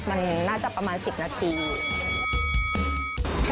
กะเพราลมควายทานหมดภายใน๑๐นาทีอยู่ทางจีนนะคะ